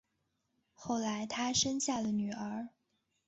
后来他生下了女儿